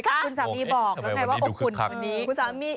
คุณสามีบอกว่าทำไมวันนี้ดูคลิปครั้งนี้